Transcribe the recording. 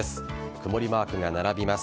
曇りマークが並びます。